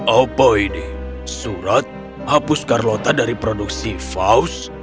apa ini surat hapus carlota dari produksi faust